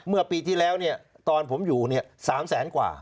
เมื่อปีที่แล้วเนี่ยตอนผมอยู่๓แสนกว่า